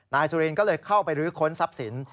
นายสุรินก็เลยเข้าไปรื้อค้นทรัพย์สิน